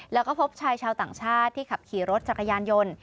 แล้วก็พบชายชาวต่างชาติที่ขับขี่รถจักรยานยนต์